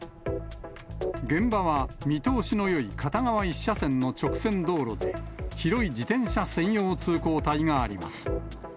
現場は見通しのよい片側１車線の直線道路で、広い自転車専用通行帯があります。